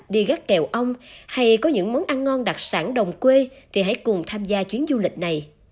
đi gắt kèo ong hay có những món ăn ngon đặc sản đồng quê thì hãy cùng tham gia chuyến du lịch này